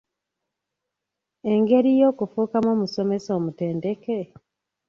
Engeri y'okufuukamu omusomesa omutendeke?